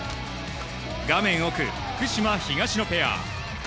画面奥が福島、東野ペア。